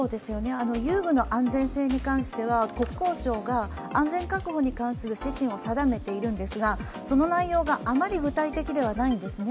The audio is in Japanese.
遊具の安全性に関しては国交省が安全確保に関する指針を定めてはいるんですが、その内容があまり具体的ではないんですね。